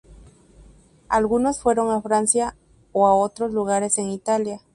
Algunos fueron a Francia o a otros lugares en Italia.